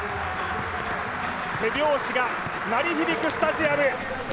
手拍子が鳴り響くスタジアム。